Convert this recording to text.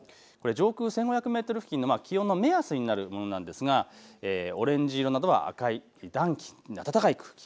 上空１５００メートル付近の気温の目安になるものなんですがオレンジ色の所は暖気、暖かい空気。